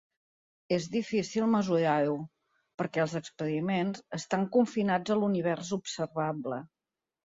És difícil mesurar-ho, perquè els experiments estan confinats a l'Univers observable.